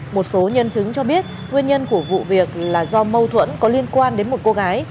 một số nhân chứng cho biết nguyên nhân của vụ việc là do mâu thuẫn có liên quan đến một cô gái